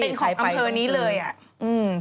เป็นของอำเภอนี้เลยอะ